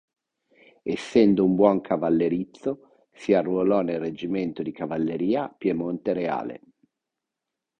Essendo un buon cavallerizzo si arruolò nel reggimento di cavalleria Piemonte Reale.